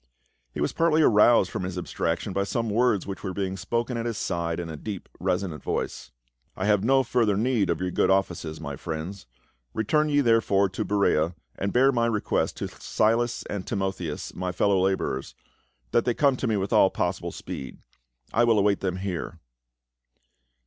He was partly aroused from his abstraction by some words which were being spoken at his side in a deep resonant voice. " I have no further need of your good offices, my friends ; return ye therefore to Berea and bear my request to Silas and Timotheus, my fellow laborers, that they come to me with all possible speed ; I will await them here."